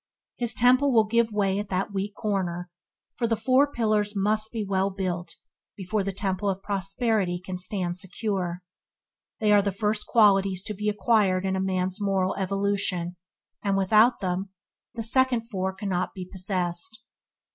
His temple will give way at that weak corner, for the first four Pillars must be well built before the Temple of Prosperity can stand secure. They are the first qualities to be acquired in a man's moral evolution, and without them the second four cannot be possessed.